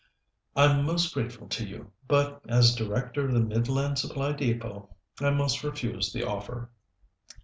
I'm most grateful to you, but as Director of the Midland Supply Depôt, I must refuse the offer."